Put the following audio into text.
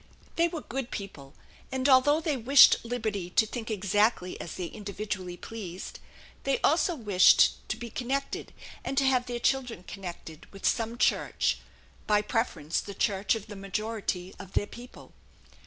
They were good people; and, although they wished liberty to think exactly as they individually pleased, they also wished to be connected and to have their children connected with some church, by preference the church of the majority of their people.